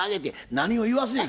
何を言わすねん